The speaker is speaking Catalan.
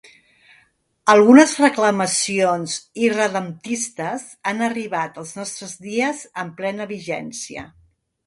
Algunes reclamacions irredemptistes han arribat als nostres dies amb plena vigència.